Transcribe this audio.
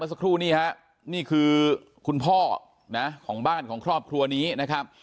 สักครู่นี่ฮะนี่คือคุณพ่อนะของบ้านของครอบครัวนี้นะครับ